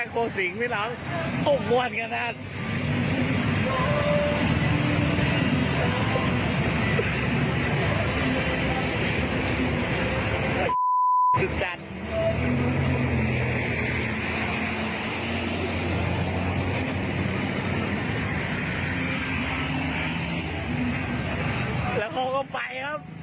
คืออะไร